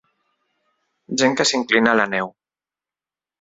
Gent que s'inclina a la neu.